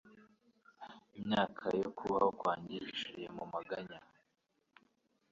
imyaka y’ukubaho kwanjye ishiriye mu maganya